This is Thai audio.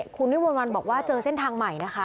คุณวิมวลวันบอกว่าเจอเส้นทางใหม่นะคะ